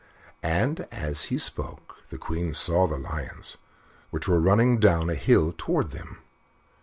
And, as he spoke, the Queen saw the lions, which were running down a hill toward them.